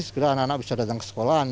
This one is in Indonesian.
segera anak anak bisa datang ke sekolahan